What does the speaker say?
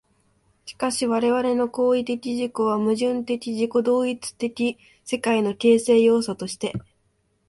しかし我々の行為的自己は、矛盾的自己同一的世界の形成要素として、